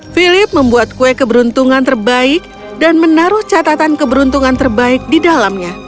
philip membuat kue keberuntungan terbaik dan menaruh catatan keberuntungan terbaik di dalamnya